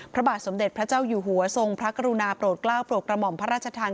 พระบาทสมเด็จพระเจ้าอยู่หัวทรงพระกรุณาโปรดกล้าวโปรดกระหม่อมพระราชทาน